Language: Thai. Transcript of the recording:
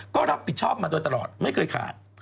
ก็รับผิดชอบมาโดยตลอดไม่เคยขาด